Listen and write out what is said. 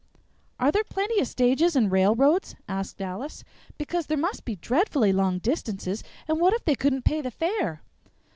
"Are there plenty of stages and railroads?" asked Alice; "because there must be dreadfully long distances, and what if they couldn't pay the fare?"